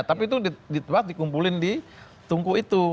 tapi itu di tebak dikumpulin di tungku itu